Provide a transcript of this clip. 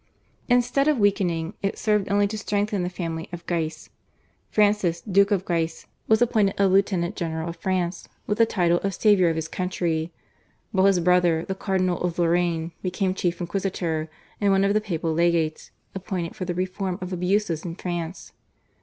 Instead of weakening, it served only to strengthen the family of Guise. Francis, Duke of Guise, was appointed a lieutenant general of France with the title of saviour of his country, while his brother, the Cardinal of Lorraine, became chief inquisitor and one of the papal legates appointed for the reform of abuses in France.